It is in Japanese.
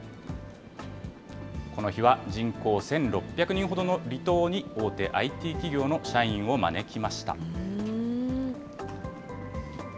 この日は人口１６００人ほどの離島に大手ＩＴ企業の社員を招きました。